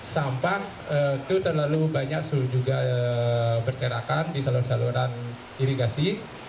sampah itu terlalu banyak juga berserakan di saluran saluran irigasi